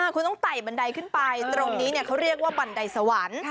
คุณต้องไต่บันไดขึ้นไปตรงนี้เขาเรียกว่าบันไดสวรรค์